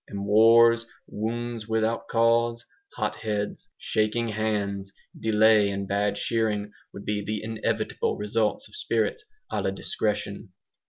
And wars, 'wounds without cause,' hot heads, shaking hands, delay and bad shearing, would be the inevitable results of spirits A LA DISCRETION.